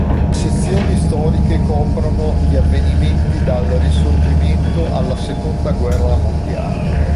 Le sezioni storiche coprono gli avvenimenti dal Risorgimento alla Seconda guerra mondiale.